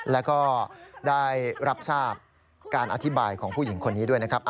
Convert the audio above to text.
แล้วก็ได้รับทราบการอธิบายของผู้หญิงคนนี้ด้วยนะครับ